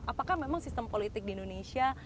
apakah memang sistem politik di indonesia